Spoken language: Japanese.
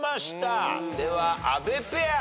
では阿部ペア。